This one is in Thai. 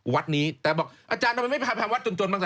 วัดนี้แต่บอกอาจารย์ทำไมไม่แผ่นวัดจน